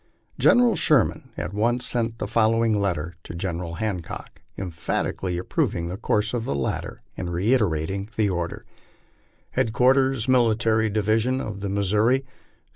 General Sherman at once sent the following letter to General Hancock, emphatically approving the course of the latter, and reiterating the order : HEADQUARTERS MILITARY DIVISION OF THE MISSOURI, ) ST.